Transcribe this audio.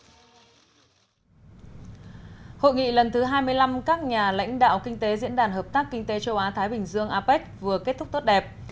hội nghị lần thứ hai mươi năm các nhà lãnh đạo kinh tế diễn đàn hợp tác kinh tế châu á thái bình dương apec vừa kết thúc tốt đẹp